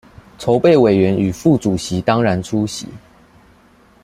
籌備委員與副主席當然出席